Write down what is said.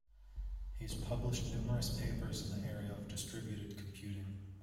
He has published numerous papers in the area of distributed computing.